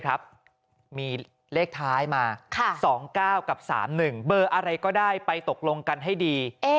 มีเลขท้ายมา๒๙กับ๓๑เบอร์อะไรก็ได้ไปตกลงกันให้ดี